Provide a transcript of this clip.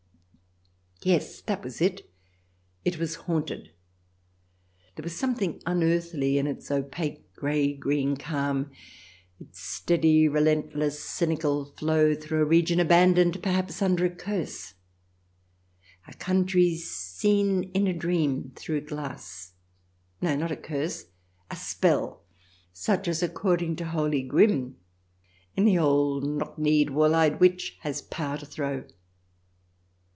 Yes, that was it, it was haunted ; there was some thing unearthly in its opaque, green grey calm, its steady, relentless, cynical flow, through a region abandoned perhaps under a curse — a country seen in a dream through glass. No, not a curse ; a spell such as, according to holy Grimm, any old knock kneed, wall eyed witch has power to throw.